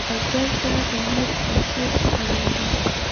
سوالګر ته امید بښل ښه عمل دی